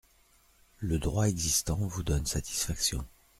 Le droit existant vous donne satisfaction.